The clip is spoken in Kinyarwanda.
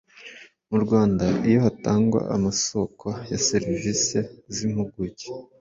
mu Rwanda iyo hatangwa amasoko ya serivisi z’impuguke.